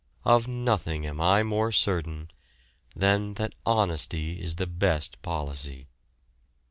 Of nothing am I more certain, than that "Honesty is the best policy."